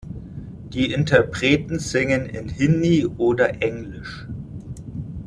Die Interpreten singen in Hindi oder Englisch.